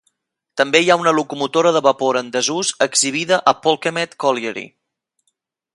També hi ha una locomotora de vapor en desús exhibida a Polkemmet Colliery.